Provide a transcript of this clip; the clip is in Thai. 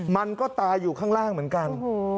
มันก็ตายอยู่ข้างล่างเหมือนกัน